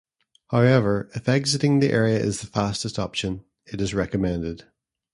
However, if exiting the area is the fastest option, it is recommended.